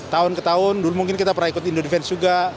tahun ke tahun dulu mungkin kita pernah ikut indo defense juga